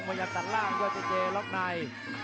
มาอยากตัดล่างยอดเจเจล้วใน